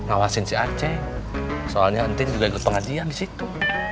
awasin si aceh soalnya entin juga ikut pengajian disitu